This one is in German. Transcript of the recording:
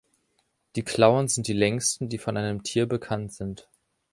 Die Klauen sind die längsten, die von einem Tier bekannt sind.